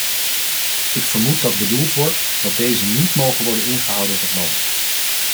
Ik vermoed dat bedoeld wordt dat deze niet mogen worden ingehouden op het loon.